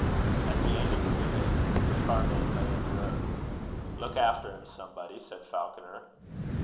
At the end of the minute, the carman lay in the road. "Look after him, somebody," said Falconer.